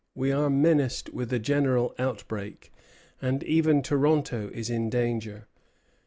We are menaced with a general outbreak, and even Toronto is in danger....